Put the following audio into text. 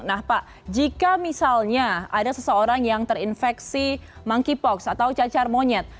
nah pak jika misalnya ada seseorang yang terinfeksi monkeypox atau cacar monyet